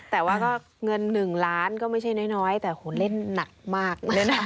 แต่ว่าก็เงิน๑ล้านก็ไม่ใช่น้อยแต่โหเล่นหนักมาก